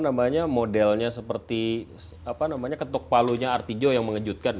namanya modelnya seperti ketuk palunya artijo yang mengejutkan